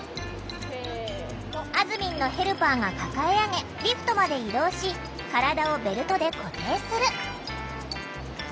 あずみんのヘルパーが抱え上げリフトまで移動し体をベルトで固定する。